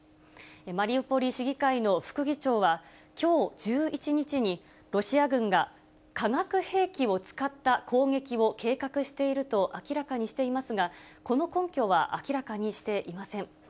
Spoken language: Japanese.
マリウポリ市議会の副議長はきょう１１日に、ロシア軍が化学兵器を使った攻撃を計画していると明らかにしていますが、この根拠は明らかにしていません。